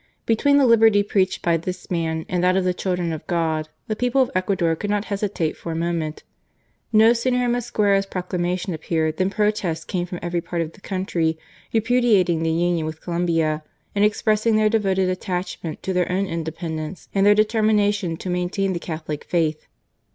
" Between the liberty preached by this man and that of the children of God, the people of Ecuador could not hesitate for a moment. No sooner had Mosquera's proclamation appeared than protests came from every part of the country repudiating the union with Colombia, and expressing their devoted attachment to their own independence and their determination to maintain the Catholic Faith.